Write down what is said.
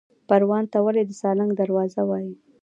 پروان ته ولې د سالنګ دروازه وایي؟